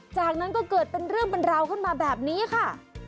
จากนั้นก็เกิดเป็นเรื่องเป็นราวขึ้นมาแบบนี้ค่ะ